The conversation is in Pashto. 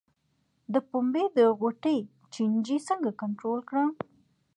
د پنبې د غوټې چینجی څنګه کنټرول کړم؟